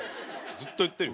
ずっと言ってるよ。